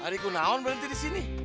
hari kuno berhenti di sini